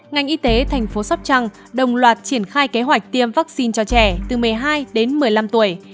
ngành y tế thành phố sóc trăng đồng loạt triển khai kế hoạch tiêm vaccine cho trẻ từ một mươi hai đến một mươi năm tuổi